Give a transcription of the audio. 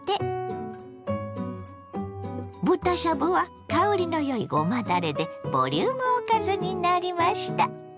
豚しゃぶは香りのよいごまだれでボリュームおかずになりました。